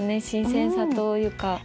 新鮮さというか。